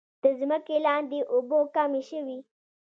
د ځمکې لاندې اوبه کمې شوي؟